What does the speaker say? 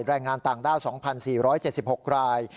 แรงงานต่างด้าว๒๔๗๖ราย